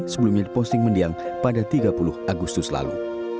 sebelumnya diposting mendiang pada tiga puluh agustus lalu